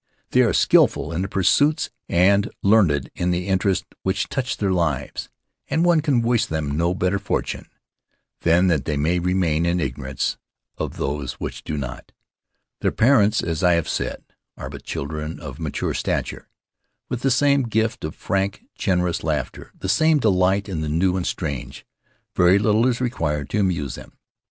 They are skillful in the pursuits and learned in the interests which touch their lives, and one can wish them no better fortune than that they may remain in ignorance of those which do not. Their parents, as I have said, are but children of mature stature, with the same gift of frank, generous laughter, the same delight in the new and strange. Very little is required to amuse them.